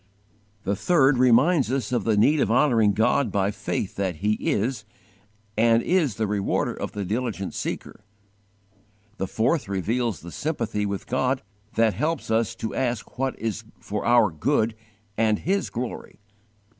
The third reminds us of the need of honouring God by faith that He is, and is the Rewarder of the diligent seeker. The fourth reveals the sympathy with God that helps us to ask what is for our good and His glory.